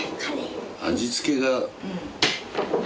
味付けが。